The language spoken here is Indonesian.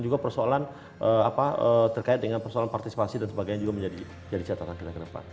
juga persoalan terkait dengan persoalan partisipasi dan sebagainya juga menjadi catatan kira kira pak